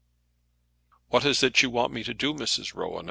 "What is it you want me to do, Mrs. Rowan?"